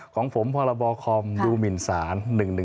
ของผมพลคดูมินศาล๑๑๖